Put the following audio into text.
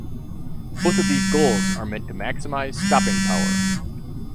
Both of these goals are meant to maximize stopping power.